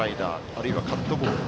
あるいはカットボール